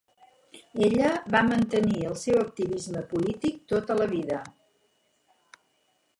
Ella va mantenir el seu activisme polític tota la vida.